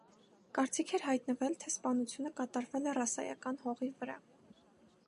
Կարծիք էր հայտնվել, թե սպանությունը կատարվել է ռասայական հողի վրա։